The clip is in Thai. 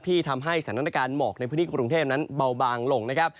ที่ทำให้สถานการณ์หมอกในพื้นที่กรุงเทพนั้นเบาบางลงนะครับ